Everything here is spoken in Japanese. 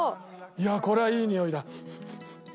いやこれはいいにおいだ。